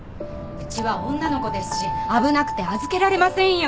うちは女の子ですし危なくて預けられませんよ。